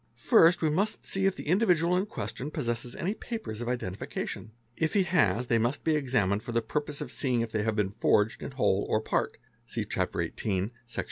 First, we must see if the individual.in question possesses any papers of identification, If he has, they must be examined for the purpose of see ing if they have been forged in whole or part (see Chapter XVIII. Sec.